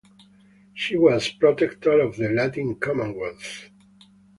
She was protector of the Latin commonwealth.